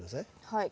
はい。